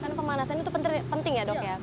karena pemanasan itu penting ya dok